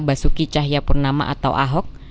basuki cahayapurnama atau ahok